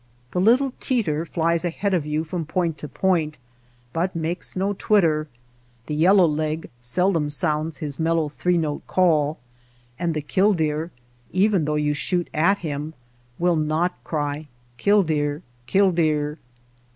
The little teeter flies ahead of you from point to point, but makes no twitter, the yellow leg seldom sounds his mellow three note call, and the kill deer, even though you shoot at him, will not cry '' Kill deer !" ^^Kill deer!